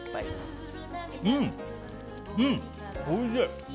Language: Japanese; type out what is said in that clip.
うん、おいしい！